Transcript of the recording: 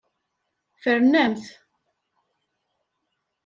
Ffren-am-t.